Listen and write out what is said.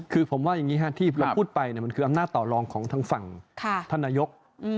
คือผมว่าอย่างนี้ที่เราพูดไปมันคืออำนาจต่อรองของทางฝั่งท่านนายก